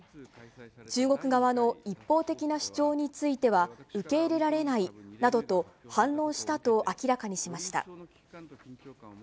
中国側の一方的な主張については受け入れられないなどと、反論したと明らかにしました。